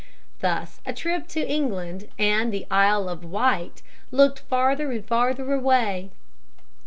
Thus a trip to London and the Isle of Wight looked farther and farther away.